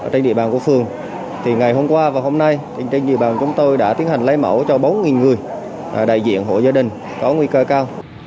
trên địa bàn của phường thì ngày hôm qua và hôm nay trên địa bàn chúng tôi đã tiến hành lấy mẫu cho bốn người đại diện hộ gia đình có nguy cơ cao